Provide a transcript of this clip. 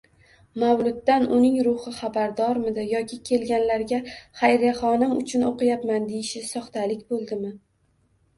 Mavluddan uning ruhi xabardormidi yoki kelganlarga Xayriyaxonim uchun o'qiyapman deyishi soxtalik bo'ldimi?